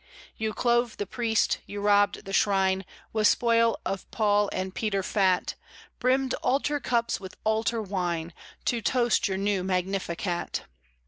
You clove the priest, you robbed the shrine, With spoil of Paul and Peter fat, Brimmed altar cups with altar wine To toast your new Magnificat.